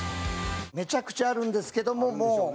めちゃくちゃあるんですけどももう。